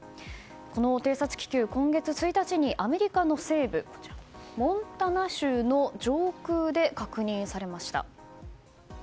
偵察気球、今月１日にアメリカの西部モンタナ州の上空で確認されました。